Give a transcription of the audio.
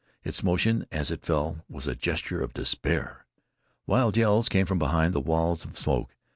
Its motion as it fell was a gesture of despair. Wild yells came from behind the walls of smoke.